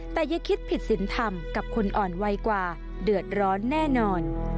แต่อย่าคิดผิดสินธรรมกับคนอ่อนไวกว่าเดือดร้อนแน่นอน